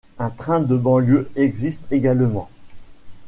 Un train de banlieue existe également.